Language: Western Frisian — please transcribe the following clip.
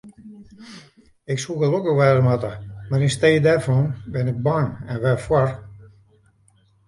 Ik soe gelokkich wêze moatte, mar yn stee dêrfan bin ik bang, en wêrfoar?